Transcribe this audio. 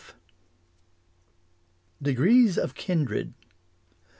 Degrees of kindred.